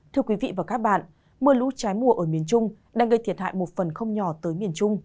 thưa quý vị và các bạn mưa lũ trái mùa ở miền trung đang gây thiệt hại một phần không nhỏ tới miền trung